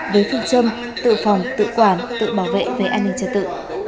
với phương châm tự phòng tự quản tự bảo vệ về an ninh trật tự